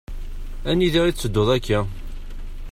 Anida i tetteddu akka?